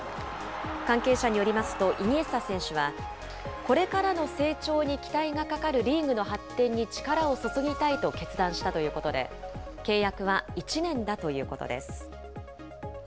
関係者によりますと、イニエスタ選手は、これからの成長に期待がかかるリーグの発展に力を注ぎたいと決断したということで、契約は１年だということです。